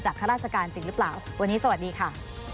ข้าราชการจริงหรือเปล่าวันนี้สวัสดีค่ะ